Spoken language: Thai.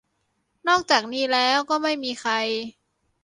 นอกจากนี้แล้วก็ไม่มีใคร